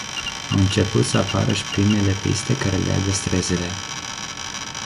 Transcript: Au început să apară primele piste care leagă străzile.